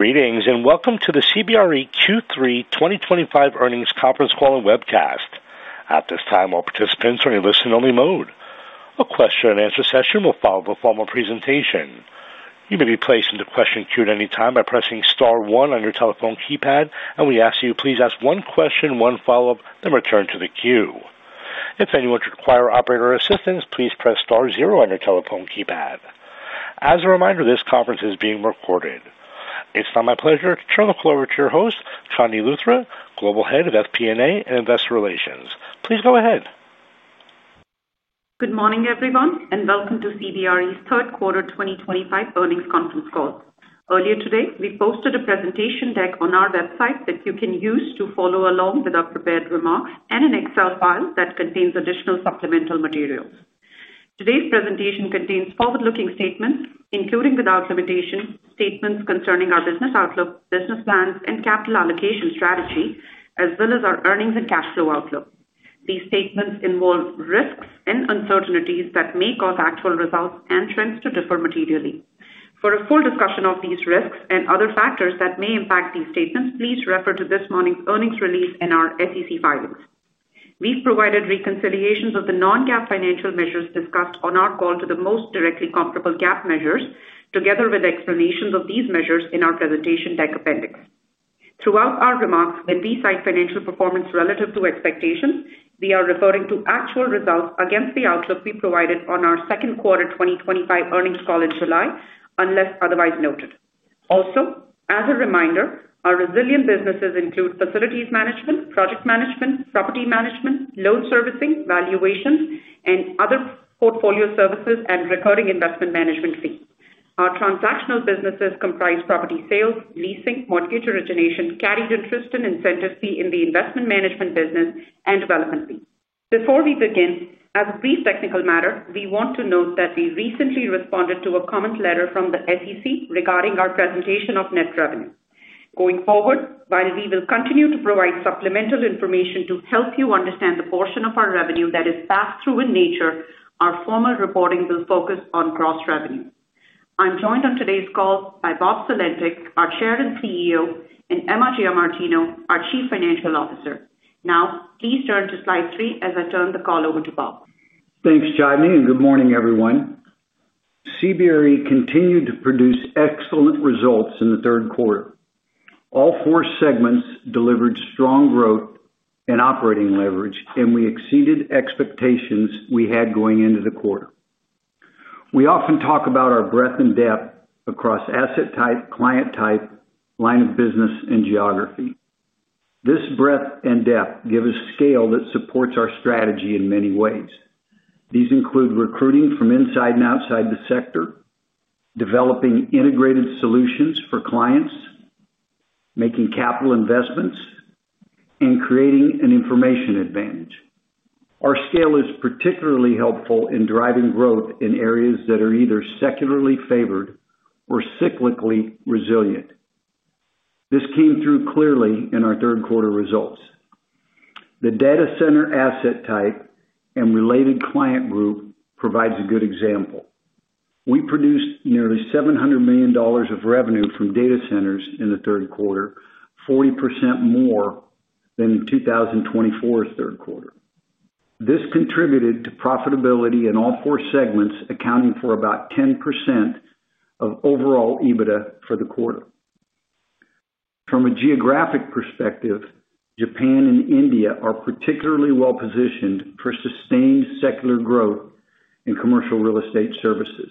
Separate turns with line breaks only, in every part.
Greetings and welcome to the CBRE Q3 2025 earnings conference call and webcast. At this time, all participants are in a listen-only mode. A question-and-answer session will follow the formal presentation. You may be placed into the question queue at any time by pressing star one on your telephone keypad, and we ask that you please ask one question, one follow-up, then return to the queue. If anyone should require operator assistance, please press star zero on your telephone keypad. As a reminder, this conference is being recorded. It's now my pleasure to turn the call over to your host, Chandni Luthra, Global Head of FP&A and Investor Relations. Please go ahead.
Good morning, everyone, and welcome to CBRE Group, Inc.'s third quarter 2025 earnings conference call. Earlier today, we posted a presentation deck on our website that you can use to follow along with our prepared remarks and an Excel file that contains additional supplemental materials. Today's presentation contains forward-looking statements, including without limitation, statements concerning our business outlook, business plans, and capital allocation strategy, as well as our earnings and cash flow outlook. These statements involve risks and uncertainties that may cause actual results and trends to differ materially. For a full discussion of these risks and other factors that may impact these statements, please refer to this morning's earnings release and our SEC filings. We've provided reconciliations of the non-GAAP financial measures discussed on our call to the most directly comparable GAAP measures, together with explanations of these measures in our presentation deck appendix. Throughout our remarks, when we cite financial performance relative to expectations, we are referring to actual results against the outlook we provided on our second quarter 2025 earnings call in July, unless otherwise noted. Also, as a reminder, our resilient businesses include facilities management, project management, property management, loan servicing, valuation, and other portfolio services and recurring investment management fees. Our transactional businesses comprise property sales, leasing, mortgage origination, carried interest, and incentive fees in the investment management business, and development fees. Before we begin, as a brief technical matter, we want to note that we recently responded to a comment letter from the SEC regarding our presentation of net revenue. Going forward, while we will continue to provide supplemental information to help you understand the portion of our revenue that is pass-through in nature, our formal reporting will focus on gross revenue. I'm joined on today's call by Bob Sulentic, our Chair and CEO, and Emma Giamartino, our Chief Financial Officer. Now, please turn to slide three as I turn the call over to Bob.
Thanks, Chandni, and good morning, everyone. CBRE continued to produce excellent results in the third quarter. All four segments delivered strong growth and operating leverage, and we exceeded expectations we had going into the quarter. We often talk about our breadth and depth across asset type, client type, line of business, and geography. This breadth and depth gives us scale that supports our strategy in many ways. These include recruiting from inside and outside the sector, developing integrated solutions for clients, making capital investments, and creating an information advantage. Our scale is particularly helpful in driving growth in areas that are either secularly favored or cyclically resilient. This came through clearly in our third quarter results. The data center asset type and related client group provides a good example. We produced nearly $700 million of revenue from data centers in the third quarter, 40% more than in 2023's third quarter. This contributed to profitability in all four segments, accounting for about 10% of overall EBITDA for the quarter. From a geographic perspective, Japan and India are particularly well positioned for sustained secular growth in commercial real estate services.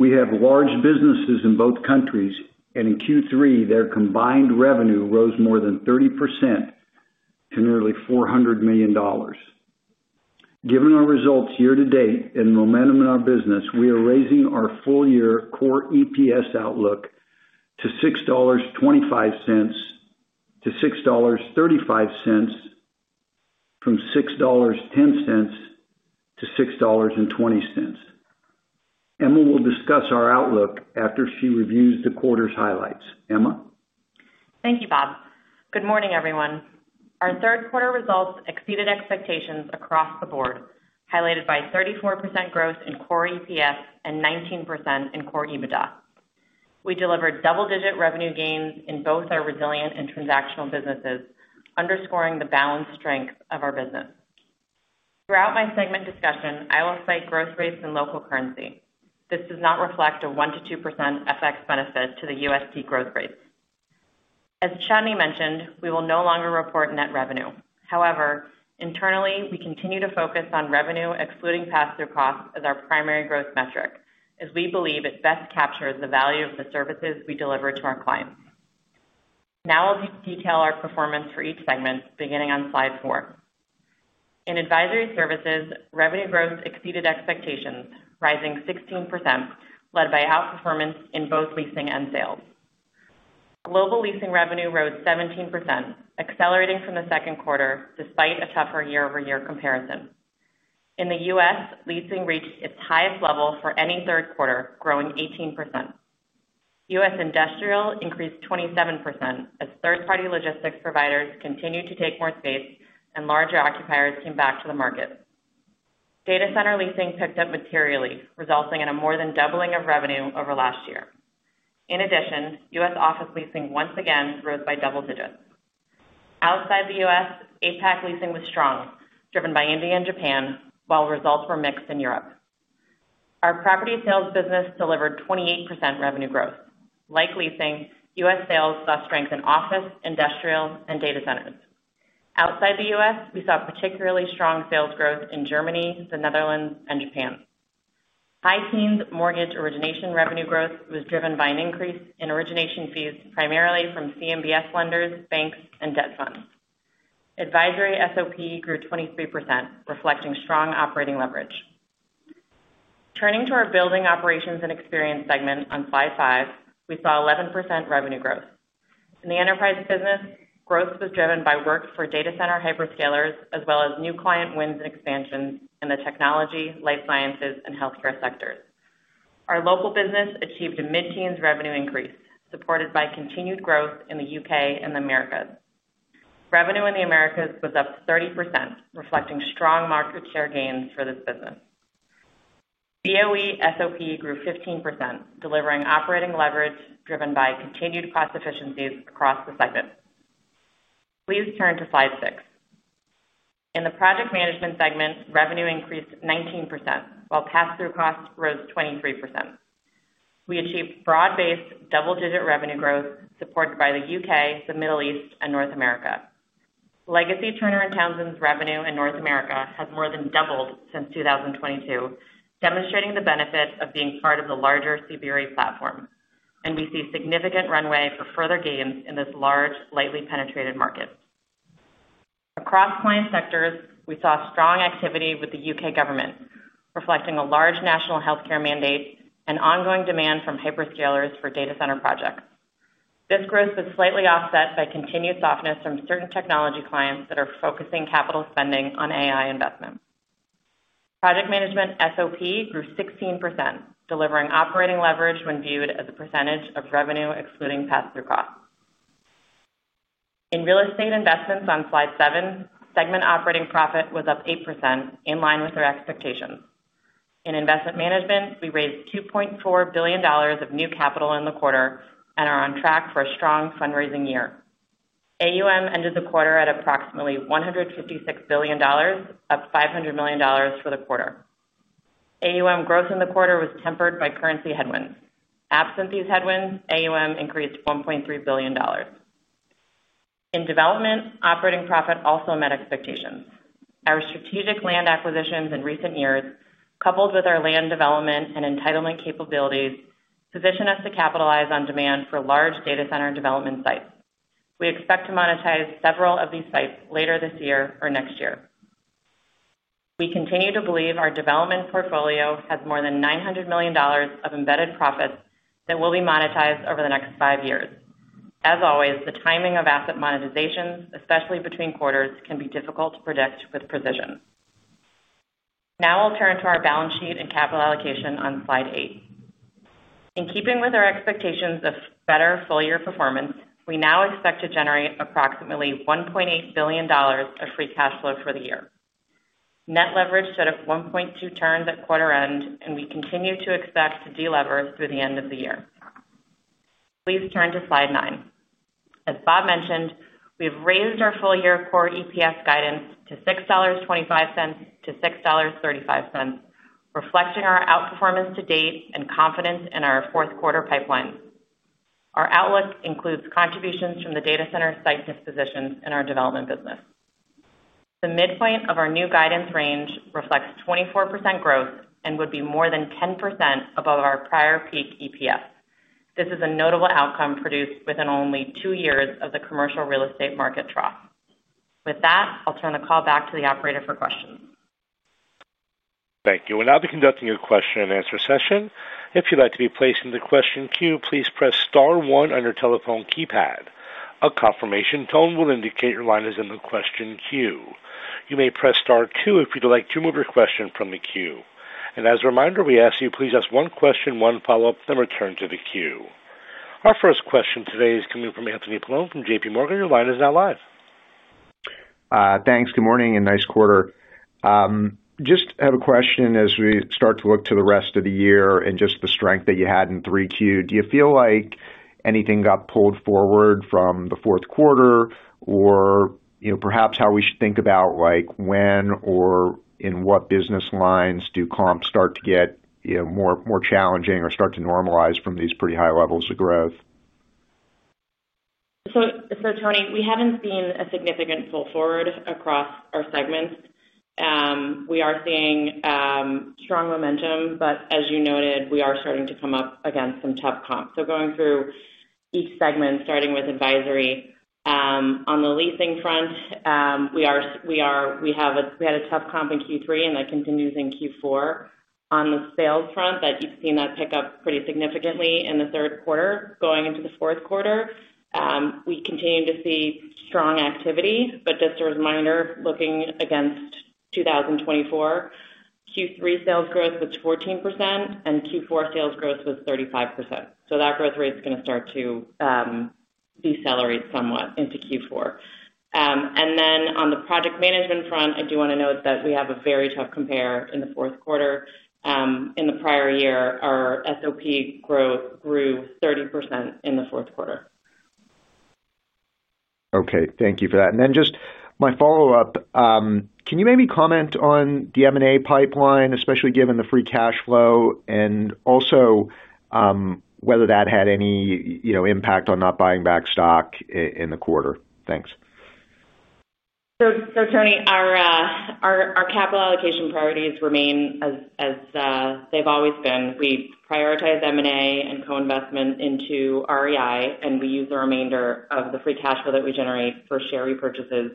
We have large businesses in both countries, and in Q3, their combined revenue rose more than 30% to nearly $400 million. Given our results year-to-date and momentum in our business, we are raising our full-year core EPS outlook to $6.25-$6.35 from $6.10-$6.20. Emma will discuss our outlook after she reviews the quarter's highlights. Emma?
Thank you, Bob. Good morning, everyone. Our third quarter results exceeded expectations across the board, highlighted by 34% growth in core EPS and 19% in core EBITDA. We delivered double-digit revenue gains in both our resilient and transactional businesses, underscoring the balanced strength of our business. Throughout my segment discussion, I will cite growth rates in local currency. This does not reflect a 1%-2% FX benefit to the USD growth rates. As Chandni mentioned, we will no longer report net revenue. However, internally, we continue to focus on revenue excluding pass-through costs as our primary growth metric, as we believe it best captures the value of the services we deliver to our clients. Now I'll detail our performance for each segment, beginning on slide four. In advisory services, revenue growth exceeded expectations, rising 16%, led by outperformance in both leasing and sales. Global leasing revenue rose 17%, accelerating from the second quarter despite a tougher year-over-year comparison. In the U.S., leasing reached its highest level for any third quarter, growing 18%. U.S. industrial increased 27% as third-party logistics providers continued to take more space and larger occupiers came back to the market. Data center leasing picked up materially, resulting in a more than doubling of revenue over last year. In addition, U.S. office leasing once again rose by double digits. Outside the U.S., APAC leasing was strong, driven by India and Japan, while results were mixed in Europe. Our property sales business delivered 28% revenue growth. Like leasing, U.S. sales saw strength in office, industrial, and data centers. Outside the U.S., we saw particularly strong sales growth in Germany, the Netherlands, and Japan. High-teens mortgage origination revenue growth was driven by an increase in origination fees, primarily from CMBS lenders, banks, and debt funds. Advisory SOP grew 23%, reflecting strong operating leverage. Turning to our Building Operations & Experience segment on slide five, we saw 11% revenue growth. In the enterprise business, growth was driven by work for data center hyperscalers, as well as new client wins and expansions in the technology, life sciences, and healthcare sectors. Our local business achieved a mid-teens revenue increase, supported by continued growth in the U.K. and the Americas. Revenue in the Americas was up 30%, reflecting strong market share gains for this business. BOE SOP grew 15%, delivering operating leverage driven by continued cost efficiencies across the segment. Please turn to slide six. In the project management segment, revenue increased 19%, while pass-through costs rose 23%. We achieved broad-based double-digit revenue growth, supported by the U.K., the Middle East, and North America. Legacy Turner & Townsend's revenue in North America has more than doubled since 2022, demonstrating the benefit of being part of the larger CBRE platform. We see significant runway for further gains in this large, lightly penetrated market. Across client sectors, we saw strong activity with the U.K. government, reflecting a large national healthcare mandate and ongoing demand from hyperscalers for data center projects. This growth was slightly offset by continued softness from certain technology clients that are focusing capital spending on AI investment. Project management SOP grew 16%, delivering operating leverage when viewed as a percentage of revenue excluding pass-through costs. In real estate investments on slide seven, segment operating profit was up 8%, in line with our expectations. In investment management, we raised $2.4 billion of new capital in the quarter and are on track for a strong fundraising year. AUM ended the quarter at approximately $156 billion, up $500 million for the quarter. AUM growth in the quarter was tempered by currency headwinds. Absent these headwinds, AUM increased $1.3 billion. In development, operating profit also met expectations. Our strategic land acquisitions in recent years, coupled with our land development and entitlement capabilities, position us to capitalize on demand for large data center and development sites. We expect to monetize several of these sites later this year or next year. We continue to believe our development portfolio has more than $900 million of embedded profits that will be monetized over the next five years. As always, the timing of asset monetization, especially between quarters, can be difficult to predict with precision. Now I'll turn to our balance sheet and capital allocation on slide eight. In keeping with our expectations of better full-year performance, we now expect to generate approximately $1.8 billion of free cash flow for the year. Net leverage stood at 1.2 turns at quarter end, and we continue to expect to delever through the end of the year. Please turn to slide nine. As Bob mentioned, we have raised our full-year core EPS guidance to $6.25-$6.35, reflecting our outperformance to date and confidence in our fourth quarter pipelines. Our outlook includes contributions from the data center site dispositions in our development business. The midpoint of our new guidance range reflects 24% growth and would be more than 10% above our prior peak EPS. This is a notable outcome produced within only two years of the commercial real estate market trough. With that, I'll turn the call back to the operator for questions.
Thank you. We'll now be conducting a question-and-answer session. If you'd like to be placed into the question queue, please press star one on your telephone keypad. A confirmation tone will indicate your line is in the question queue. You may press star two if you'd like to remove your question from the queue. As a reminder, we ask that you please ask one question, one follow-up, then return to the queue. Our first question today is coming from Anthony Paolone from JPMorgan. Your line is now live.
Thanks. Good morning and nice quarter. I just have a question as we start to look to the rest of the year and just the strength that you had in 3Q. Do you feel like anything got pulled forward from the fourth quarter, or perhaps how we should think about like when or in what business lines do comps start to get more challenging or start to normalize from these pretty high levels of growth?
Tony, we haven't seen a significant pull forward across our segments. We are seeing strong momentum, but as you noted, we are starting to come up against some tough comps. Going through each segment, starting with advisory, on the leasing front, we had a tough comp in Q3 and that continues in Q4. On the sales front, you've seen that pick up pretty significantly in the third quarter. Going into the fourth quarter, we continue to see strong activity, but just a reminder, looking against 2024, Q3 sales growth was 14% and Q4 sales growth was 35%. That growth rate is going to start to decelerate somewhat into Q4. On the project management front, I do want to note that we have a very tough compare in the fourth quarter. In the prior year, our SOP growth grew 30% in the fourth quarter.
Thank you for that. Can you maybe comment on the M&A pipeline, especially given the free cash flow, and also whether that had any impact on not buying back stock in the quarter? Thanks.
So, Tony, our capital allocation priorities remain as they've always been. We prioritize M&A and co-investment into REI, and we use the remainder of the free cash flow that we generate for share repurchases.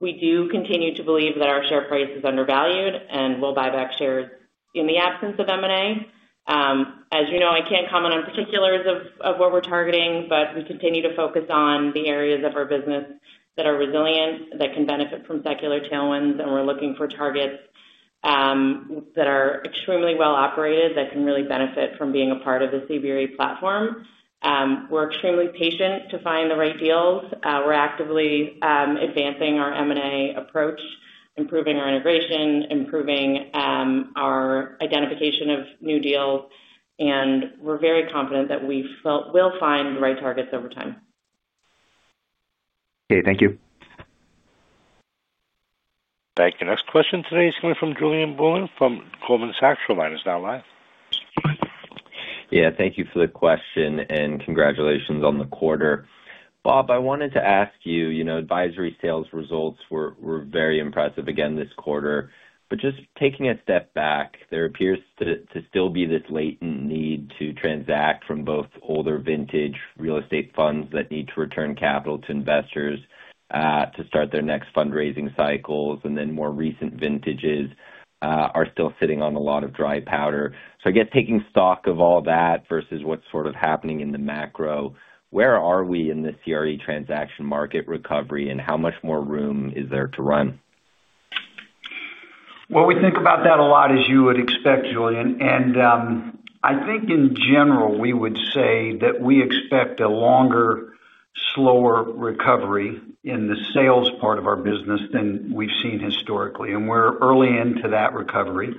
We do continue to believe that our share price is undervalued, and we'll buy back shares in the absence of M&A. As you know, I can't comment on particulars of what we're targeting, but we continue to focus on the areas of our business that are resilient, that can benefit from secular tailwinds, and we're looking for targets that are extremely well operated, that can really benefit from being a part of the CBRE platform. We're extremely patient to find the right deals. We're actively advancing our M&A approach, improving our integration, improving our identification of new deals, and we're very confident that we will find the right targets over time.
Okay. Thank you.
Thank you. Next question today is coming from Julien Blouin from Goldman Sachs. Your line is now live.
Thank you for the question and congratulations on the quarter. Bob, I wanted to ask you, you know, advisory sales results were very impressive again this quarter. Just taking a step back, there appears to still be this latent need to transact from both older vintage real estate funds that need to return capital to investors to start their next fundraising cycles, and then more recent vintages are still sitting on a lot of dry powder. I guess taking stock of all that versus what's sort of happening in the macro, where are we in the CRE transaction market recovery and how much more room is there to run?
We think about that a lot, as you would expect, Julien. I think in general, we would say that we expect a longer, slower recovery in the sales part of our business than we've seen historically. We're early into that recovery, and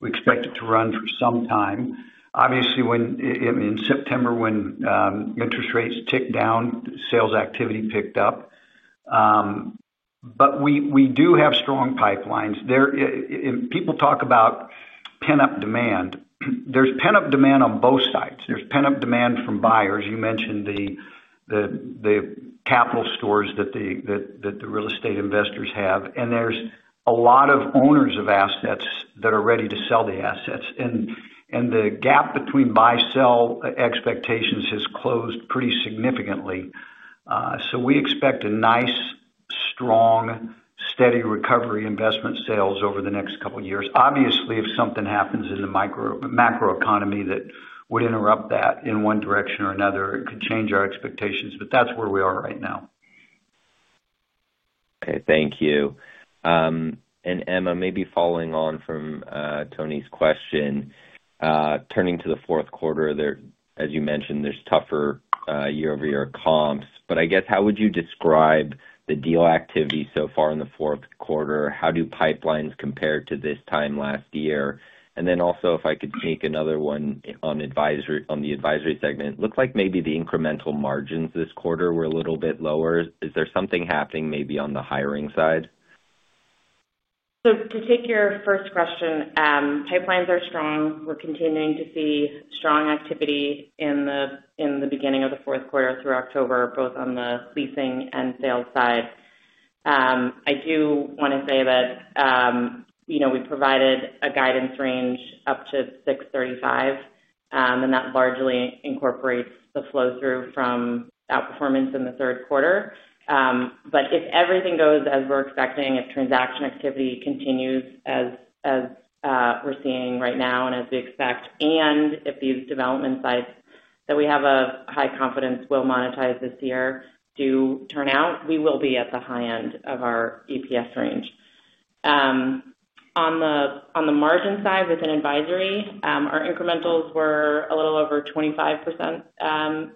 we expect it to run for some time. Obviously, when in September, when interest rates ticked down, sales activity picked up. We do have strong pipelines. People talk about pent-up demand. There's pent-up demand on both sides. There's pent-up demand from buyers. You mentioned the capital stores that the real estate investors have, and there's a lot of owners of assets that are ready to sell the assets. The gap between buy-sell expectations has closed pretty significantly, so we expect a nice, strong, steady recovery in investment sales over the next couple of years. Obviously, if something happens in the macroeconomy that would interrupt that in one direction or another, it could change our expectations, but that's where we are right now.
Okay. Thank you. Emma, maybe following on from Tony's question, turning to the fourth quarter, as you mentioned, there's tougher year-over-year comps. I guess how would you describe the deal activity so far in the fourth quarter? How do pipelines compare to this time last year? Also, if I could make another one on the advisory segment, it looked like maybe the incremental margins this quarter were a little bit lower. Is there something happening maybe on the hiring side?
To take your first question, pipelines are strong. We're continuing to see strong activity in the beginning of the fourth quarter through October, both on the leasing and sales side. I do want to say that we provided a guidance range up to $6.35, and that largely incorporates the flow-through from outperformance in the third quarter. If everything goes as we're expecting, if transaction activity continues as we're seeing right now and as we expect, and if these development sites that we have high confidence will monetize this year do turn out, we will be at the high end of our EPS range. On the margin side within advisory, our incrementals were a little over 25%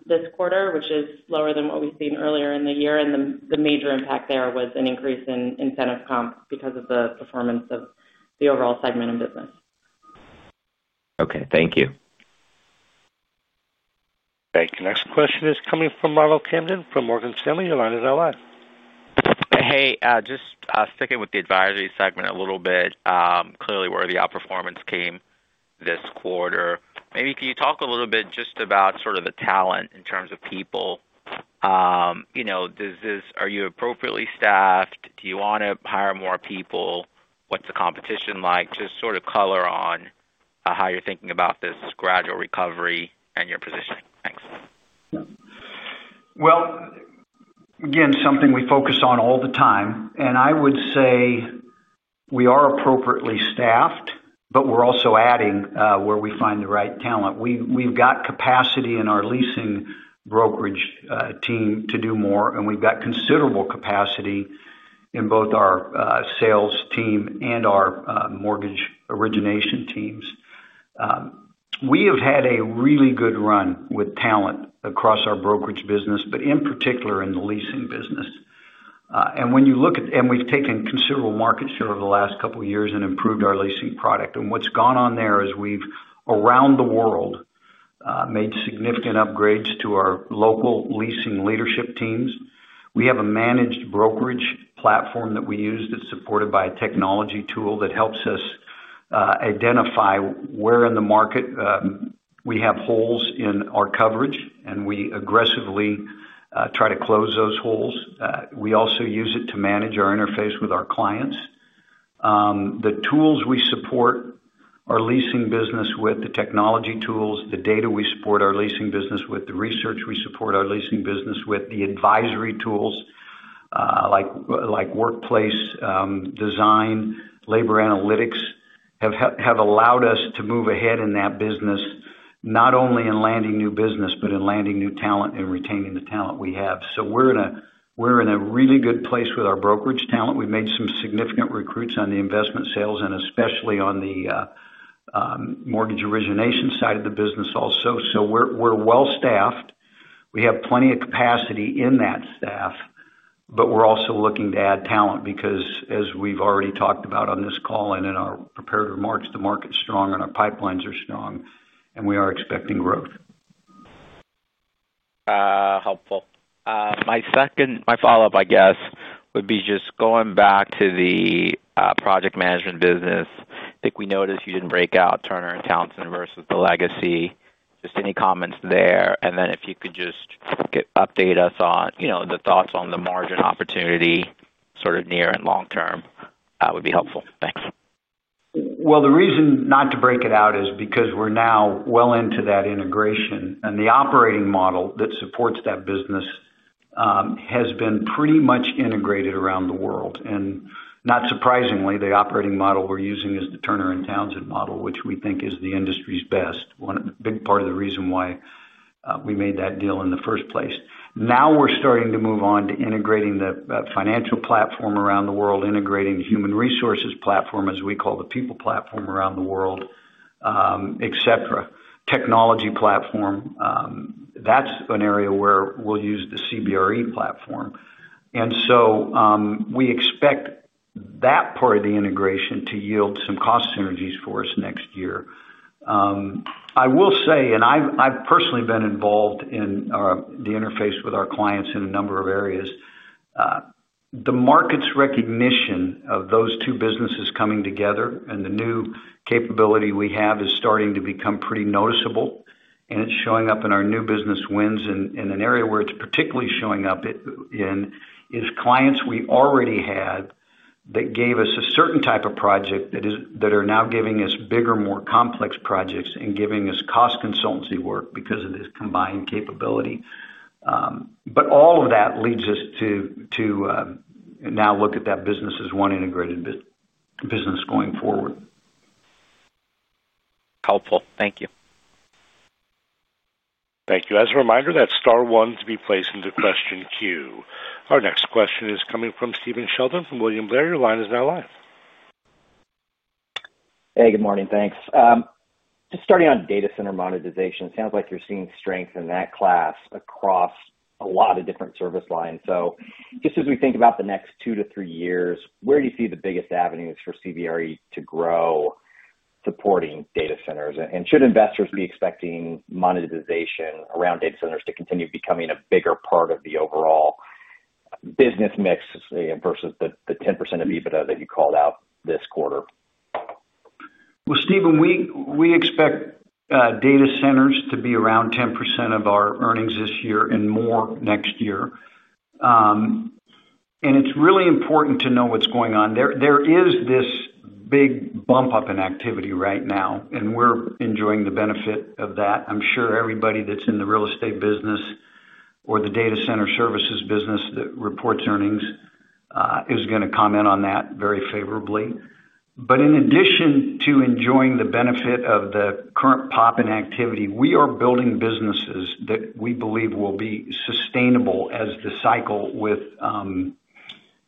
this quarter, which is lower than what we've seen earlier in the year. The major impact there was an increase in incentive comps because of the performance of the overall segment of business.
Okay. Thank you.
Thank you. Next question is coming from Ronald Kamdem from Morgan Stanley. Your line is now live.
Hey, just sticking with the advisory segment a little bit, clearly where the outperformance came this quarter. Maybe can you talk a little bit just about sort of the talent in terms of people? You know, are you appropriately staffed? Do you want to hire more people? What's the competition like? Just sort of color on how you're thinking about this gradual recovery and your positioning. Thanks.
Something we focus on all the time. I would say we are appropriately staffed, but we're also adding where we find the right talent. We've got capacity in our leasing brokerage team to do more, and we've got considerable capacity in both our sales team and our mortgage origination teams. We have had a really good run with talent across our brokerage business, but in particular in the leasing business. When you look at it, we've taken considerable market share over the last couple of years and improved our leasing product. What's gone on there is, around the world, we've made significant upgrades to our local leasing leadership teams. We have a managed brokerage platform that we use that's supported by a technology tool that helps us identify where in the market we have holes in our coverage, and we aggressively try to close those holes. We also use it to manage our interface with our clients. The tools we support our leasing business with, the technology tools, the data we support our leasing business with, the research we support our leasing business with, the advisory tools, like workplace design, labor analytics, have allowed us to move ahead in that business, not only in landing new business, but in landing new talent and retaining the talent we have. We're in a really good place with our brokerage talent. We've made some significant recruits on the investment sales and especially on the mortgage origination side of the business also. We're well staffed. We have plenty of capacity in that staff, but we're also looking to add talent because, as we've already talked about on this call and in our prepared remarks, the market's strong and our pipelines are strong, and we are expecting growth.
Helpful. My second, my follow-up, I guess, would be just going back to the project management business. I think we noticed you didn't break out Turner & Townsend versus the legacy. Just any comments there? If you could just update us on, you know, the thoughts on the margin opportunity sort of near and long term, that would be helpful. Thanks.
The reason not to break it out is because we're now well into that integration, and the operating model that supports that business has been pretty much integrated around the world. Not surprisingly, the operating model we're using is the Turner & Townsend model, which we think is the industry's best. One big part of the reason why we made that deal in the first place. Now we're starting to move on to integrating the financial platform around the world, integrating the human resources platform, as we call the people platform around the world, etc. The technology platform, that's an area where we'll use the CBRE platform. We expect that part of the integration to yield some cost synergies for us next year. I will say, and I've personally been involved in the interface with our clients in a number of areas, the market's recognition of those two businesses coming together and the new capability we have is starting to become pretty noticeable, and it's showing up in our new business wins. An area where it's particularly showing up is clients we already had that gave us a certain type of project that are now giving us bigger, more complex projects and giving us cost consultancy work because of this combined capability. All of that leads us to now look at that business as one integrated business going forward.
Helpful. Thank you.
Thank you. As a reminder, that's star one to be placed into question queue. Our next question is coming from Stephen Sheldon from William Blair. Your line is now live.
Hey, good morning. Thanks. Just starting on data center monetization, it sounds like you're seeing strength in that class across a lot of different service lines. As we think about the next two to three years, where do you see the biggest avenues for CBRE to grow supporting data centers? Should investors be expecting monetization around data centers to continue becoming a bigger part of the overall business mix versus the 10% of EBITDA that you called out this quarter?
Stephen, we expect data centers to be around 10% of our earnings this year and more next year. It's really important to know what's going on. There is this big bump up in activity right now, and we're enjoying the benefit of that. I'm sure everybody that's in the real estate business or the data center services business that reports earnings is going to comment on that very favorably. In addition to enjoying the benefit of the current pop in activity, we are building businesses that we believe will be sustainable as the cycle with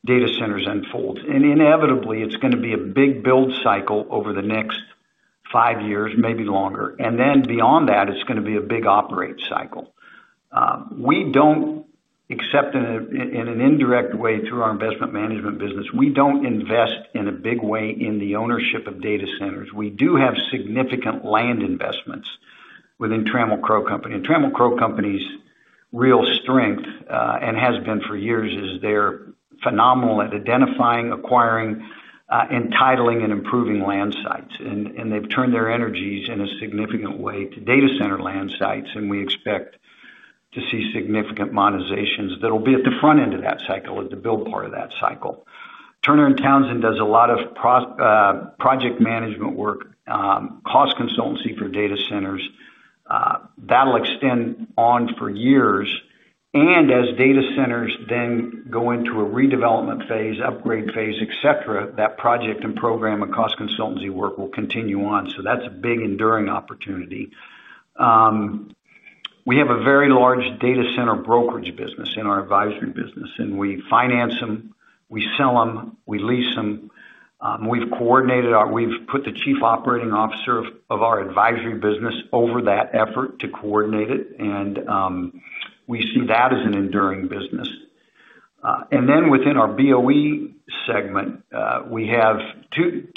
data centers unfolds. Inevitably, it's going to be a big build cycle over the next five years, maybe longer. Beyond that, it's going to be a big operate cycle. We don't, except in an indirect way through our investment management business, we don't invest in a big way in the ownership of data centers. We do have significant land investments within Trammell Crow Company. Trammell Crow Company's real strength, and has been for years, is they're phenomenal at identifying, acquiring, entitling, and improving land sites. They've turned their energies in a significant way to data center land sites, and we expect to see significant monetizations that will be at the front end of that cycle, at the build part of that cycle. Turner & Townsend does a lot of project management work, cost consultancy for data centers. That'll extend on for years. As data centers then go into a redevelopment phase, upgrade phase, etc., that project and program and cost consultancy work will continue on. That's a big enduring opportunity. We have a very large data center brokerage business in our advisory business, and we finance them, we sell them, we lease them. We've coordinated our, we've put the Chief Operating Officer of our advisory business over that effort to coordinate it, and we see that as an enduring business. Within our BOE segment, we have two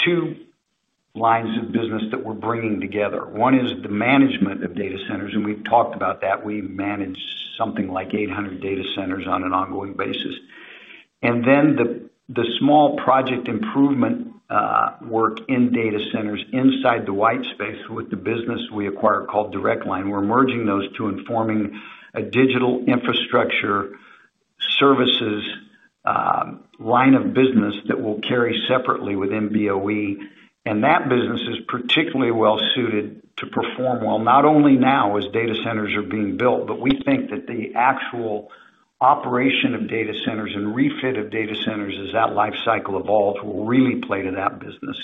lines of business that we're bringing together. One is the management of data centers, and we've talked about that. We manage something like 800 data centers on an ongoing basis. The small project improvement work in data centers inside the white space with the business we acquired called DirectLine, we're merging those two and forming a digital infrastructure services line of business that will carry separately within BOE. That business is particularly well suited to perform well, not only now as data centers are being built, but we think that the actual operation of data centers and refit of data centers as that life cycle evolves will really play to that business.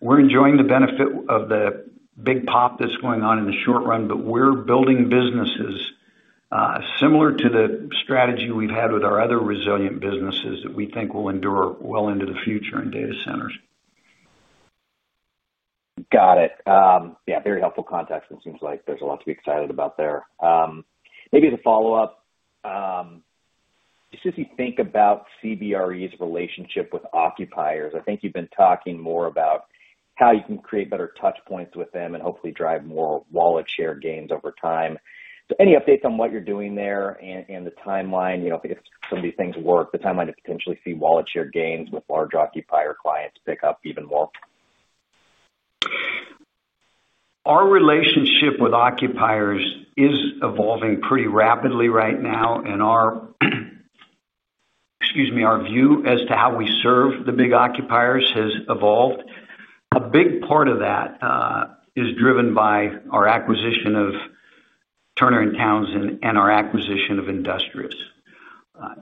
We're enjoying the benefit of the big pop that's going on in the short run, but we're building businesses, similar to the strategy we've had with our other resilient businesses that we think will endure well into the future in data centers.
Got it. Yeah, very helpful context. It seems like there's a lot to be excited about there. Maybe as a follow-up, just as you think about CBRE's relationship with occupiers, I think you've been talking more about how you can create better touch points with them and hopefully drive more wallet share gains over time. Any updates on what you're doing there and the timeline, you know, if some of these things work, the timeline to potentially see wallet share gains with large occupier clients pick up even more?
Our relationship with occupiers is evolving pretty rapidly right now, and our view as to how we serve the big occupiers has evolved. A big part of that is driven by our acquisition of Turner & Townsend and our acquisition of Industrious.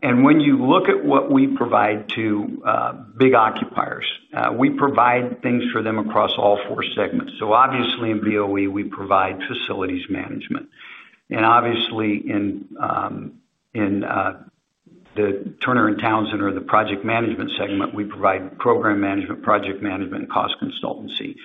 When you look at what we provide to big occupiers, we provide things for them across all four segments. Obviously, in BOE, we provide facilities management. In the Turner & Townsend or the project management segment, we provide program management, project management, and cost consultancy.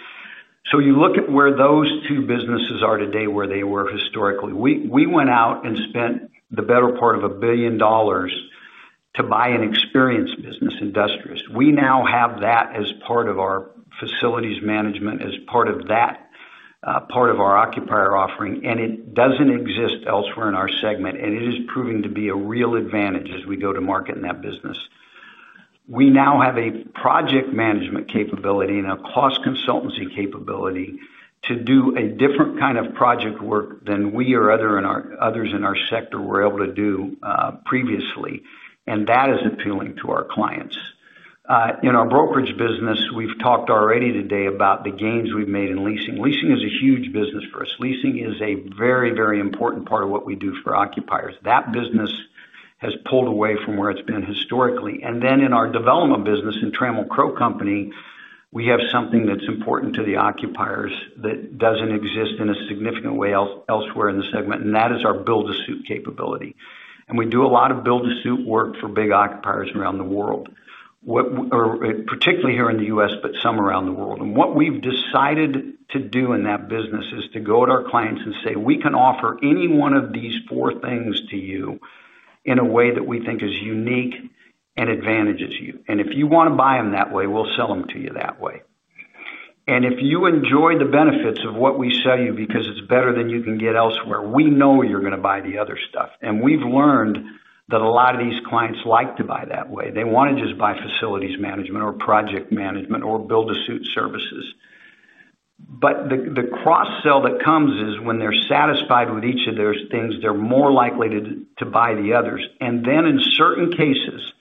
You look at where those two businesses are today, where they were historically. We went out and spent the better part of $1 billion to buy an experience business, Industrious. We now have that as part of our facilities management, as part of our occupier offering, and it doesn't exist elsewhere in our segment. It is proving to be a real advantage as we go to market in that business. We now have a project management capability and a cost consultancy capability to do a different kind of project work than we or others in our sector were able to do previously. That is appealing to our clients. In our brokerage business, we've talked already today about the gains we've made in leasing. Leasing is a huge business for us. Leasing is a very, very important part of what we do for occupiers. That business has pulled away from where it's been historically. In our development business in Trammell Crow Company, we have something that's important to the occupiers that doesn't exist in a significant way elsewhere in the segment, and that is our build-to-suit capability. We do a lot of build-to-suit work for big occupiers around the world, particularly here in the U.S., but some around the world. What we've decided to do in that business is to go to our clients and say, "We can offer any one of these four things to you in a way that we think is unique and advantages you. If you want to buy them that way, we'll sell them to you that way. If you enjoy the benefits of what we sell you because it's better than you can get elsewhere, we know you're going to buy the other stuff." We've learned that a lot of these clients like to buy that way. They want to just buy facilities management or project management or build-to-suit services. The cross-sell that comes is when they're satisfied with each of those things, they're more likely to buy the others. In certain cases,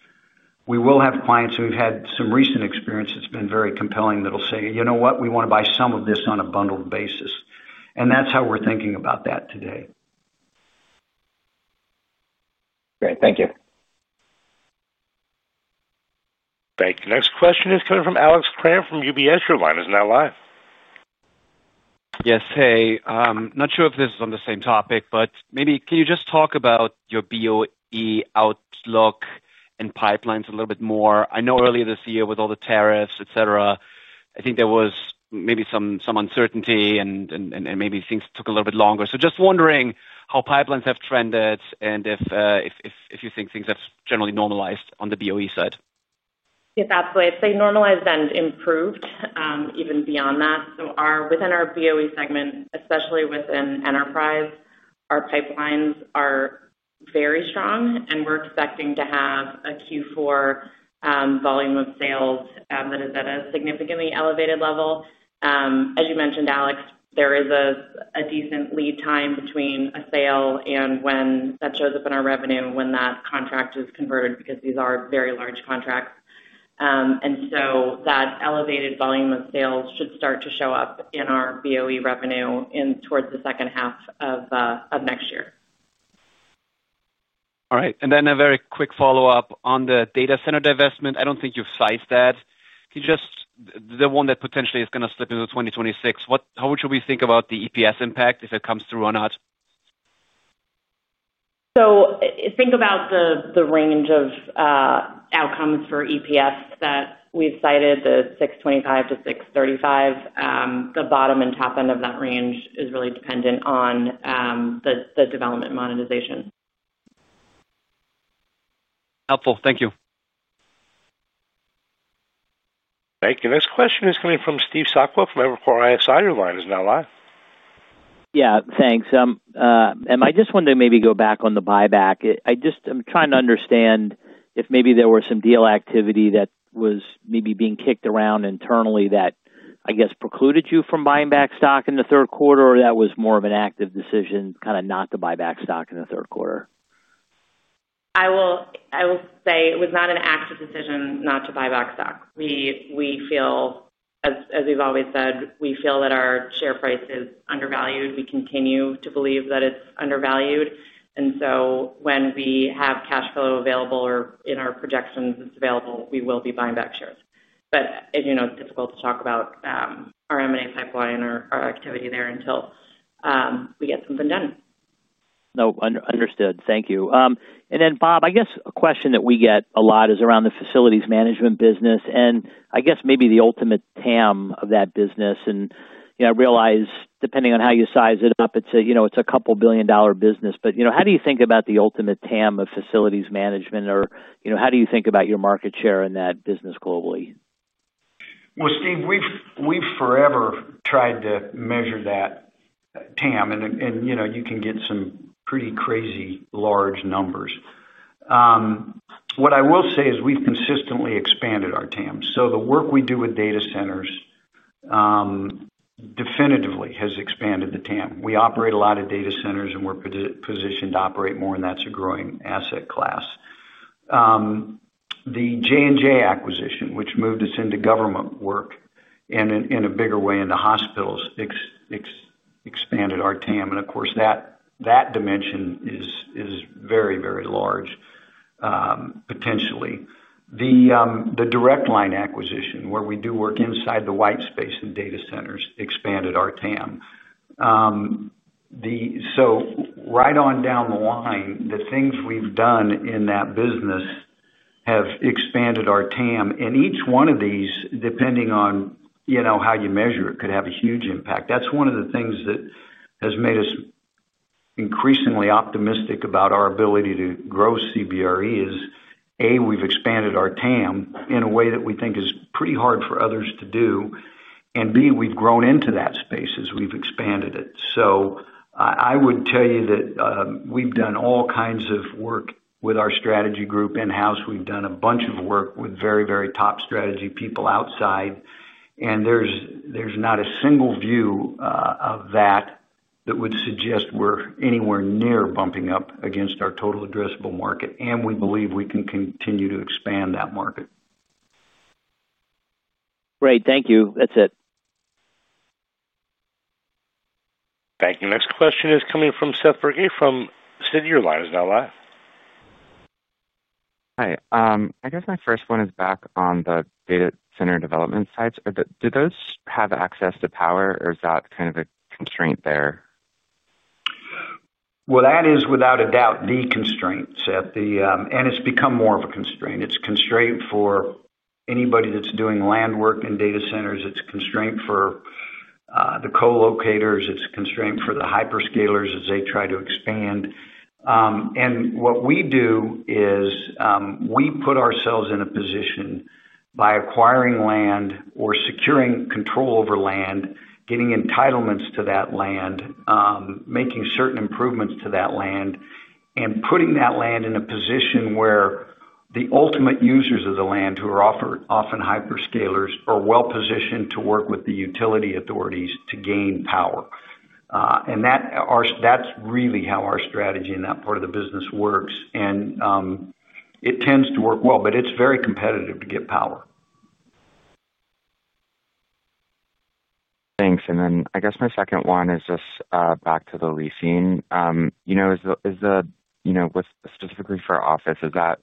we will have clients, and we've had some recent experience that's been very compelling, that'll say, "You know what? We want to buy some of this on a bundled basis." That's how we're thinking about that today.
Great. Thank you.
Thank you. Next question is coming from Alex Kramm from UBS. Your line is now live.
Yes. Hey, I'm not sure if this is on the same topic, but maybe can you just talk about your BOE outlook and pipelines a little bit more? I know earlier this year with all the tariffs, I think there was maybe some uncertainty and maybe things took a little bit longer. Just wondering how pipelines have trended and if you think things have generally normalized on the BOE side.
Yeah, absolutely. I'd say normalized and improved, even beyond that. Within our BOE segment, especially within enterprise, our pipelines are very strong, and we're expecting to have a Q4 volume of sales that is at a significantly elevated level. As you mentioned, Alex, there is a decent lead time between a sale and when that shows up in our revenue when that contract is converted because these are very large contracts, and that elevated volume of sales should start to show up in our BOE revenue towards the second half of next year.
All right. A very quick follow-up on the data center divestment. I don't think you've sliced that. Can you, just the one that potentially is going to slip into 2026, how would you think about the EPS impact if it comes through or not?
Think about the range of outcomes for EPS that we've cited, the $6.25-$6.35. The bottom and top end of that range is really dependent on the development monetization.
Helpful. Thank you.
Thank you. Next question is coming from Steve Sakwa from Evercore ISI. Your line is now live.
Yeah, thanks. I just wanted to maybe go back on the buyback. I'm trying to understand if maybe there were some deal activity that was maybe being kicked around internally that I guess precluded you from buying back stock in the third quarter, or that was more of an active decision not to buy back stock in the third quarter?
I will say it was not an active decision not to buy back stock. We feel, as we've always said, we feel that our share price is undervalued. We continue to believe that it's undervalued. When we have cash flow available or in our projections it's available, we will be buying back shares. As you know, it's difficult to talk about our M&A pipeline or our activity there until we get something done.
No, understood. Thank you. Bob, I guess a question that we get a lot is around the facilities management business and I guess maybe the ultimate TAM of that business. You know, I realize depending on how you size it up, it's a couple billion dollar business. You know, how do you think about the ultimate TAM of facilities management or how do you think about your market share in that business globally?
Steve, we've forever tried to measure that TAM, and you know, you can get some pretty crazy large numbers. What I will say is we've consistently expanded our TAM. The work we do with data centers definitively has expanded the TAM. We operate a lot of data centers and we're positioned to operate more, and that's a growing asset class. The J&J acquisition, which moved us into government work and in a bigger way into hospitals, expanded our TAM. Of course, that dimension is very, very large, potentially. The DirectLine acquisition, where we do work inside the white space and data centers, expanded our TAM. Right on down the line, the things we've done in that business have expanded our TAM. Each one of these, depending on how you measure it, could have a huge impact. That's one of the things that has made us increasingly optimistic about our ability to grow CBRE is, A; we've expanded our TAM in a way that we think is pretty hard for others to do, and B; we've grown into that space as we've expanded it. I would tell you that we've done all kinds of work with our strategy group in-house. We've done a bunch of work with very, very top strategy people outside. There's not a single view of that that would suggest we're anywhere near bumping up against our total addressable market. We believe we can continue to expand that market.
Great. Thank you. That's it.
Thank you. Next question is coming from Seth Bergey from Citi. Your line is now live.
Hi. I guess my first one is back on the data center development sites. Do those have access to power, or is that kind of a constraint there?
That is without a doubt the constraint, and it's become more of a constraint. It's a constraint for anybody that's doing land work in data centers. It's a constraint for the co-locators. It's a constraint for the hyperscalers as they try to expand. What we do is, we put ourselves in a position by acquiring land or securing control over land, getting entitlements to that land, making certain improvements to that land, and putting that land in a position where the ultimate users of the land, who are often hyperscalers, are well positioned to work with the utility authorities to gain power. That's really how our strategy in that part of the business works. It tends to work well, but it's very competitive to get power.
Thanks. I guess my second one is just, back to the leasing. You know, specifically for office, is that,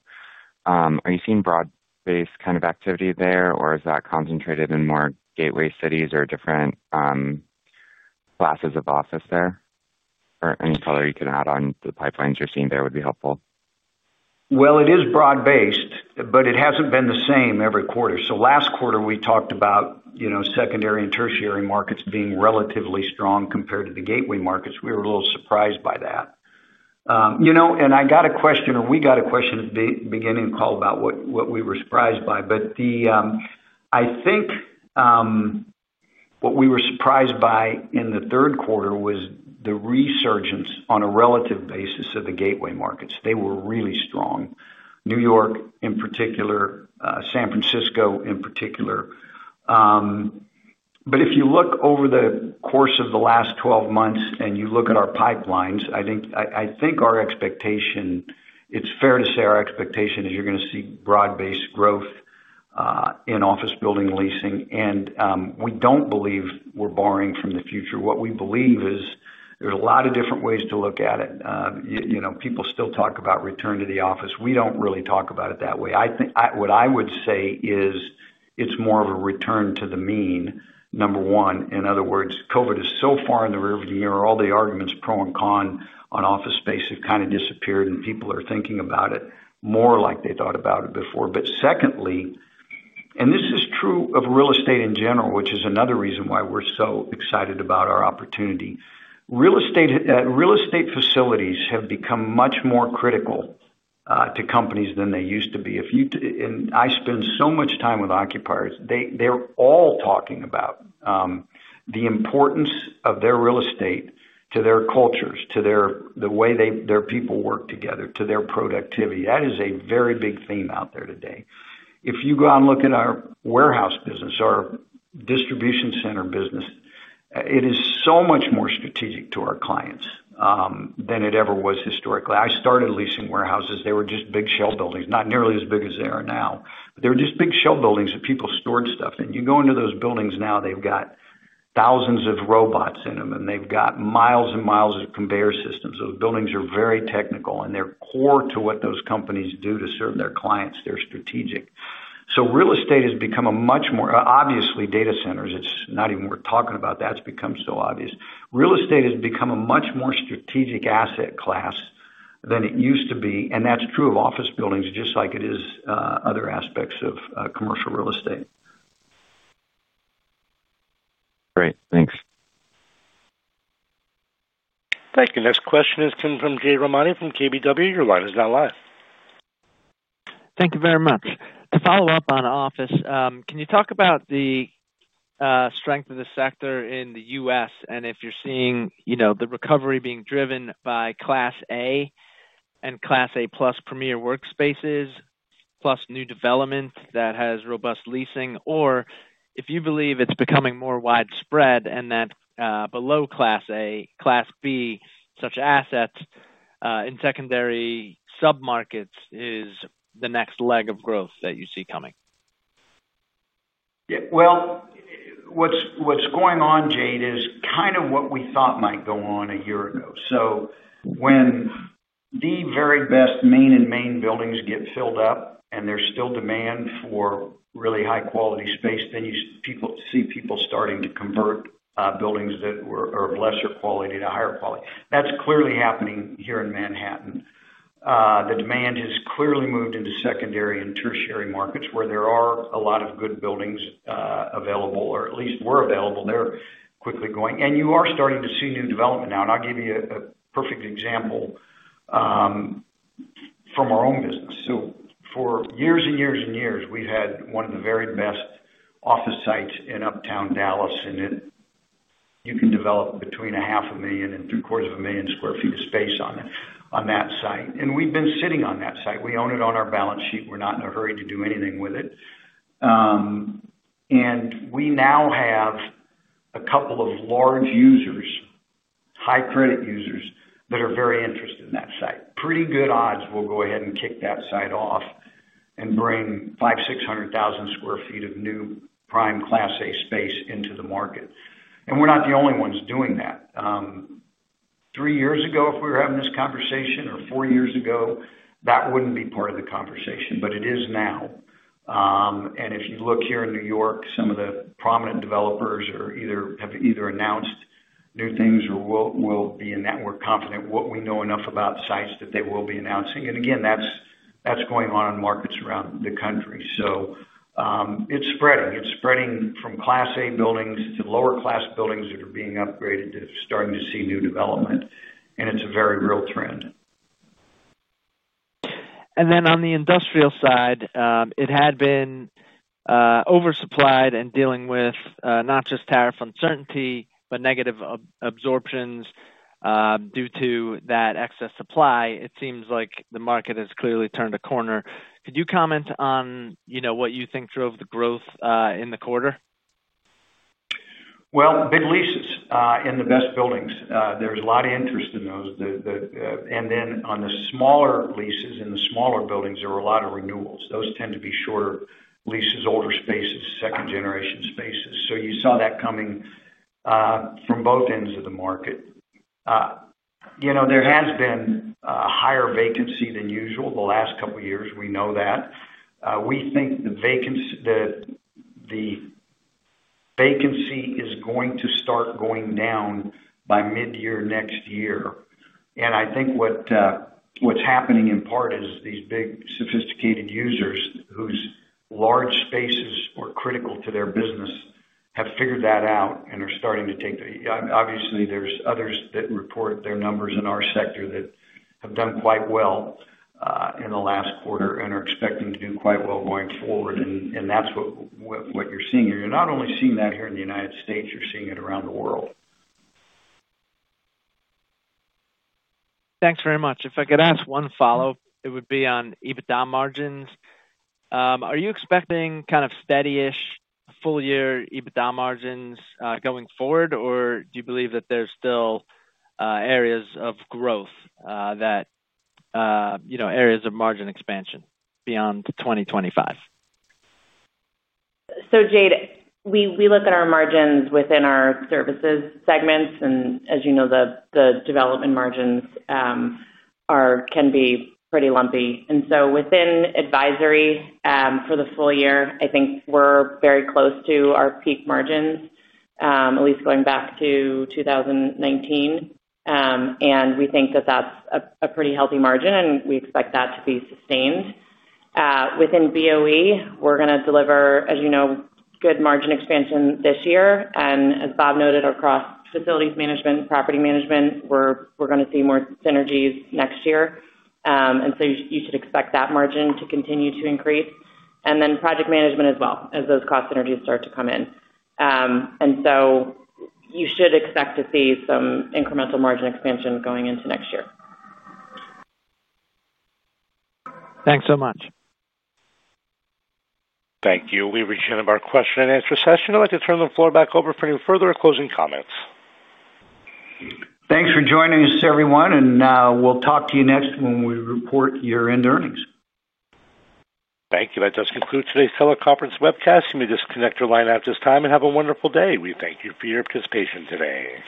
are you seeing broad-based kind of activity there, or is that concentrated in more gateway cities or different classes of office there? Any color you can add on to the pipelines you're seeing there would be helpful.
It is broad-based, but it hasn't been the same every quarter. Last quarter, we talked about secondary and tertiary markets being relatively strong compared to the gateway markets. We were a little surprised by that. I got a question at the beginning of the call about what we were surprised by. I think what we were surprised by in the third quarter was the resurgence on a relative basis of the gateway markets. They were really strong. New York, in particular, San Francisco, in particular. If you look over the course of the last 12 months and you look at our pipelines, I think our expectation, it's fair to say our expectation is you're going to see broad-based growth in office building leasing. We don't believe we're borrowing from the future. What we believe is there's a lot of different ways to look at it. People still talk about return to the office. We don't really talk about it that way. I think what I would say is it's more of a return to the mean, number one. In other words, COVID is so far in the rearview mirror. All the arguments pro and con on office space have kind of disappeared, and people are thinking about it more like they thought about it before. Secondly, and this is true of real estate in general, which is another reason why we're so excited about our opportunity. Real estate facilities have become much more critical to companies than they used to be. I spend so much time with occupiers, they're all talking about the importance of their real estate to their cultures, to the way their people work together, to their productivity. That is a very big theme out there today. If you go out and look at our warehouse business, our distribution center business, it is so much more strategic to our clients than it ever was historically. I started leasing warehouses. They were just big shell buildings, not nearly as big as they are now, but they were just big shell buildings that people stored stuff in. You go into those buildings now, they've got thousands of robots in them, and they've got miles and miles of conveyor systems. Those buildings are very technical, and they're core to what those companies do to serve their clients. They're strategic. Real estate has become a much more, obviously, data centers. It's not even worth talking about that. It's become so obvious. Real estate has become a much more strategic asset class than it used to be. That's true of office buildings, just like it is other aspects of commercial real estate.
Great. Thanks.
Thank you. Next question is coming from Jade Rahmani from KBW. Your line is now live.
Thank you very much. To follow up on office, can you talk about the strength of the sector in the U.S. and if you're seeing the recovery being driven by Class A and Class A plus premier workspaces plus new development that has robust leasing, or if you believe it's becoming more widespread and that below Class A, Class B, such assets in secondary submarkets is the next leg of growth that you see coming?
Yeah. What's going on, Jade, is kind of what we thought might go on a year ago. When the very best main and main buildings get filled up and there's still demand for really high-quality space, you see people starting to convert buildings that were of lesser quality to higher quality. That's clearly happening here in Manhattan. The demand has clearly moved into secondary and tertiary markets where there are a lot of good buildings available, or at least were available. They're quickly going. You are starting to see new development now. I'll give you a perfect example from our own business. For years and years and years, we've had one of the very best office sites in uptown Dallas, and you can develop between $0.5 million and $0.75 million sq ft of space on that site. We've been sitting on that site. We own it on our balance sheet. We're not in a hurry to do anything with it. We now have a couple of large users, high-credit users that are very interested in that site. Pretty good odds we'll go ahead and kick that site off and bring $0.5 million-$0.6 million sq ft of new prime Class A space into the market. We're not the only ones doing that. Three years ago, if we were having this conversation, or four years ago, that wouldn't be part of the conversation, but it is now. If you look here in New York, some of the prominent developers have either announced new things or will be in that. We're confident we know enough about sites that they will be announcing. That's going on in markets around the country. It's spreading. It's spreading from Class A buildings to lower-class buildings that are being upgraded to starting to see new development. It's a very real trend.
On the industrial side, it had been oversupplied and dealing with not just tariff uncertainty, but negative absorptions due to that excess supply. It seems like the market has clearly turned a corner. Could you comment on what you think drove the growth in the quarter?
Big leases in the best buildings, there's a lot of interest in those. Then on the smaller leases in the smaller buildings, there were a lot of renewals. Those tend to be shorter leases, older spaces, second-generation spaces. You saw that coming from both ends of the market. There has been a higher vacancy than usual the last couple of years. We know that. We think the vacancy is going to start going down by mid-year next year. I think what's happening in part is these big sophisticated users whose large spaces are critical to their business have figured that out and are starting to take the, obviously, there's others that report their numbers in our sector that have done quite well in the last quarter and are expecting to do quite well going forward. That's what you're seeing here. You're not only seeing that here in the U.S., you're seeing it around the world.
Thanks very much. If I could ask one follow-up, it would be on EBITDA margins. Are you expecting kind of steadyish full-year EBITDA margins, going forward, or do you believe that there's still areas of growth, that, you know, areas of margin expansion beyond 2025?
We look at our margins within our services segments. As you know, the development margins can be pretty lumpy. Within advisory, for the full year, I think we're very close to our peak margins, at least going back to 2019, and we think that that's a pretty healthy margin, and we expect that to be sustained. Within BOE, we're going to deliver, as you know, good margin expansion this year. As Bob noted, across facilities management and property management, we're going to see more synergies next year, and you should expect that margin to continue to increase. Project management as well, as those cost synergies start to come in, so you should expect to see some incremental margin expansion going into next year.
Thanks so much.
Thank you. We reached the end of our question-and-answer session. I'd like to turn the floor back over for any further closing comments.
Thanks for joining us, everyone. We'll talk to you next when we report year end earnings.
Thank you. That does conclude today's teleconference webcast. You may disconnect your line at this time and have a wonderful day. We thank you for your participation today.